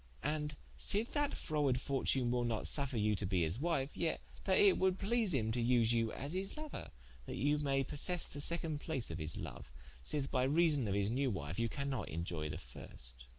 And sithe that frowarde fortune will not suffre you to be his wife, yet that it would please him to vse you as his louer, that you maye possesse the second place of his loue, sith by reason of his new wife you cannot inioy the first.